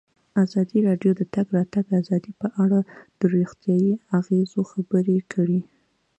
ازادي راډیو د د تګ راتګ ازادي په اړه د روغتیایي اغېزو خبره کړې.